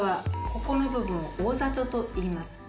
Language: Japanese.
ここの部分を「おおざと」といいます。